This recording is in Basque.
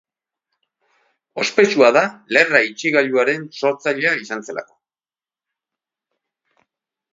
Ospetsua da lerra-itxigailuaren sortzailea izan zelako.